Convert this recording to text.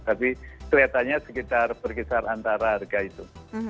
tapi kelihatannya sekitar berkisar antara harga itu